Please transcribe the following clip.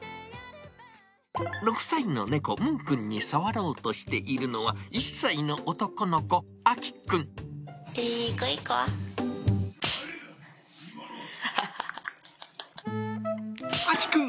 ６歳の猫、むーくんに触ろうとしているのは、１歳の男の子、あきくん。